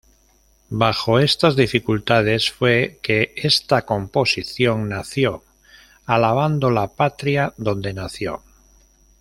Bajo estas dificultades fue que esta composición nació alabando la patria donde nació.